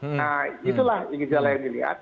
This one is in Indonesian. nah itulah gejala yang dilihat